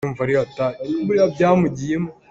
Nangmah lo cun ka me aa rem kho lo.